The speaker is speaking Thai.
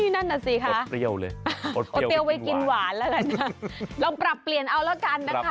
นั่นอ่ะสิค่ะเอาเตี๊ยวไปกินหวานแล้วกันนะครับปรับเปลี่ยนเอาแล้วกันนะครับ